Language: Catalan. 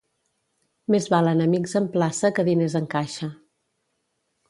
Més valen amics en plaça que diners en caixa.